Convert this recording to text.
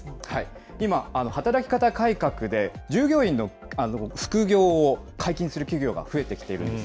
今、働き方改革で、従業員の副業を解禁する企業が増えてきているんです。